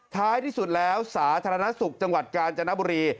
ท้ายที่สุดแล้วสาธารณสุขจังหวัดกาญจนบุรี